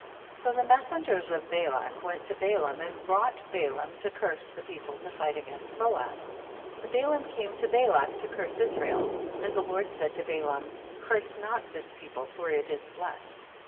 47. So the messengers of Balak went to Balaam and brought Balaam to curse the people to fight against Moab. 48. And Balaam came to Balak to curse Israel, and the Lord said to Balaam, curse not this people for it is blessed.